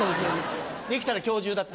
できたら今日中だって。